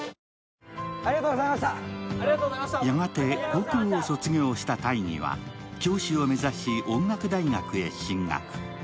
やがて高校を卒業した大義は教師を目指して音楽大学へ進学。